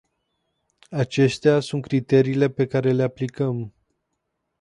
Acestea sunt criteriile pe care le aplicăm.